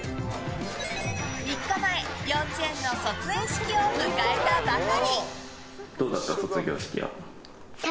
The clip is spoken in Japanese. ３日前幼稚園の卒園式を迎えたばかり。